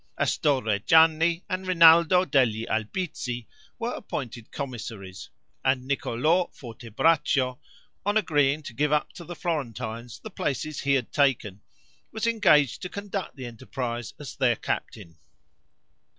Astorre Gianni and Rinaldo degli Albizzi were appointed commissaries, and Niccolo Fortebraccio, on agreeing to give up to the Florentines the places he had taken, was engaged to conduct the enterprise as their captain.